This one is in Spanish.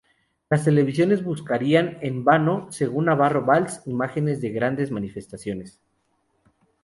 Las televisiones buscarían en vano, según Navarro-Valls, imágenes de grandes manifestaciones.